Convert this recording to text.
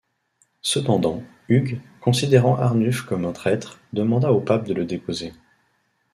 Cependant, Hugues, considérant Arnulf comme un traitre, demanda au Pape de le déposer.